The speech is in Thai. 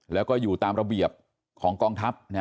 แล้วก็อยู่ตามระเบียบของกองทัพ